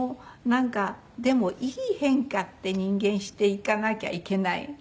でもいい変化って人間していかなきゃいけない。